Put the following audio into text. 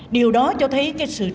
điều đó cho thấy cái sự trưởng thành